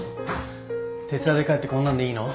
徹夜で帰ってこんなんでいいの？